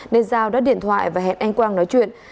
nên giao đã điện thoại và hẹn anh quang nói chuyện